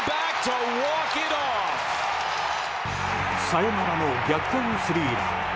サヨナラの逆転スリーラン。